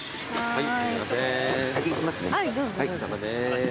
はい。